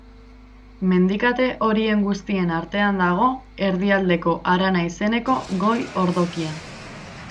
Mendikate horien guztien artean dago Erdialdeko Harana izeneko goi-ordokia.